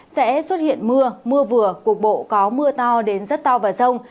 sẽ xuất hiện mưa mưa vừa cục bộ có mưa to đến rất to và rông